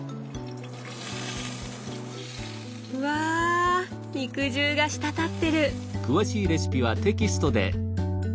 うわ肉汁が滴ってる！